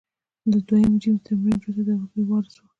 د دویم جېمز تر مړینې وروسته د هغه زوی وارث و.